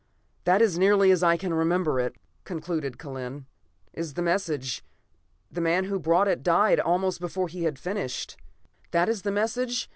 '""That, as nearly as I can remember it," concluded Kellen, "is the message. The man who brought it died almost before he had finished. "That is the message.